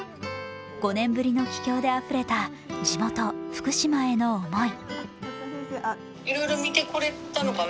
５年ぶりの帰郷であふれた地元・福島への思い。